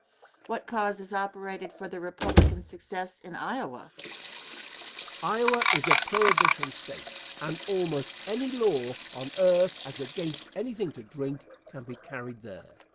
Question. What causes operated for the Republican success in Iowa? Answer. Iowa is a prohibition State and almost any law on earth as against anything to drink, can be carried there.